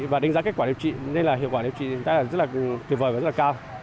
và đánh giá kết quả điều trị nên là hiệu quả điều trị chúng ta rất là tuyệt vời và rất là cao